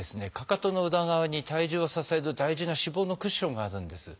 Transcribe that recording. かかとの裏側に体重を支える大事な脂肪のクッションがあるんです。